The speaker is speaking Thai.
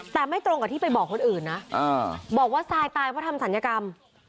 แต่ไม่ตรงกับที่ไปบอกคนอื่นนะบอกว่าทรายตายเพราะทำศัลยกรรม